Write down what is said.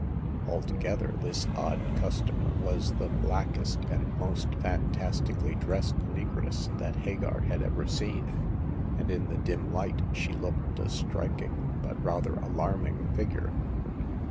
Altogether, this odd customer was the blackest and most fantastically dressed negress that Hagar had ever seen, and in the dim light she looked a striking but rather alarming figure.